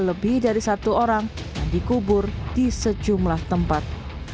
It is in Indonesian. lebih dari satu orang yang dikubur di sejumlah tempat